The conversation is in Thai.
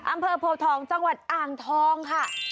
อำเภอโพทองจังหวัดอ่างทองค่ะ